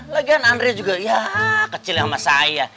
lagi kan andre juga ya kecil sama saya